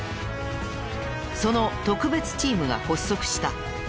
その特別チームが発足した。